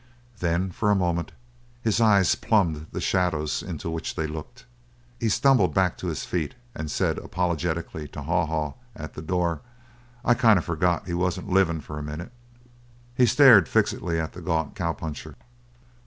Then for a moment his eyes plumbed the shadows into which they looked. He stumbled back to his feet and said apologetically to Haw Haw at the door: "I kind of forgot he wasn't livin', for a minute." He stared fixedly at the gaunt cowpuncher.